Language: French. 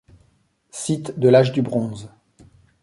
Site de l'âge du Bronze.